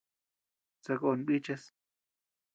Sakón bíchas.